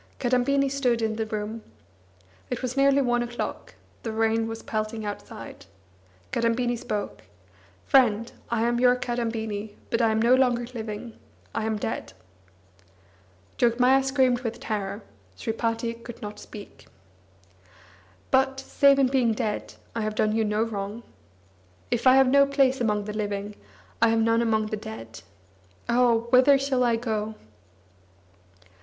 Kadambini stood in the room. It was nearly one o'clock, the rain was pelting outside. Kadambini spoke: "Friend, I am your Kadambini, but I am no longer living. I am dead." Jogmaya screamed with terror; Sripati could speak. "But, save in being dead, I have done you no wrong. If I have no place among the living, I have none among the dead. Oh! whither shall I go?"